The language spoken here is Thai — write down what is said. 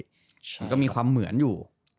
มันก็มีความเหมือนอยู่